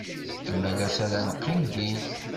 Imalas ara neqqim din.